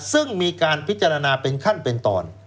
ซึ่งมีการพิจารณาเป็นขั้นเป็นตอน